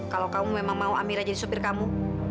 kalau kamu memang mau amira jadi sopir kamu